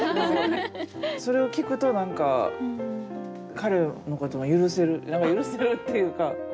それを聞くと何か彼のことを許せる許せるっていうか。